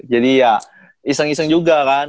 jadi ya iseng iseng juga kan